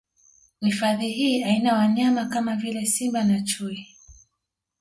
Hifadhi hii haina wanyama kama vile Simba na Chui